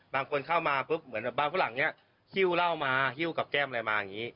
บางคนเข้ามาปุ๊บเหมือนแบบบ้านฝรั่งนี้หิ้วเหล้ามาฮิ้วกับแก้มอะไรมาอย่างนี้